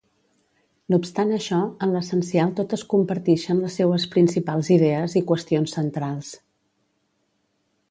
No obstant això, en l'essencial totes compartixen les seues principals idees i qüestions centrals.